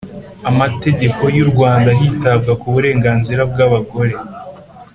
amategeko yu Rwanda hitabwa ku burenganzira bwabagore